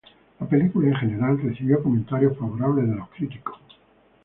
La película en general recibió comentarios favorables de los críticos.